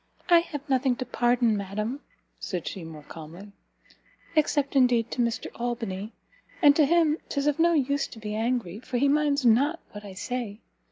"I have nothing to pardon, madam," said she, more calmly, "except, indeed, to Mr Albany; and to him, 'tis of no use to be angry, for he minds not what I say!